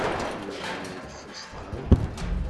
Yuba ireffu s tɣawla.